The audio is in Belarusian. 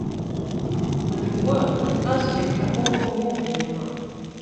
Па-другое, адказу як такога ўвогуле няма.